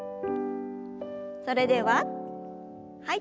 それでははい。